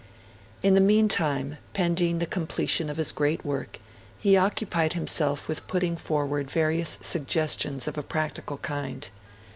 In the meantime, pending the completion of his great work, he occupied himself with putting forward various suggestions of a practical kind.